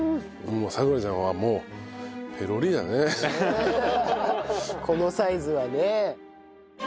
さくらちゃんはもうこのサイズはね。